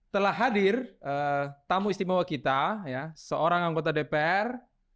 telah hadir tamu istimewa kita seorang anggota dpr